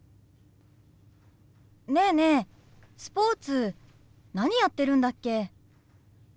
ねえねえスポーツ何やってるんだっけ？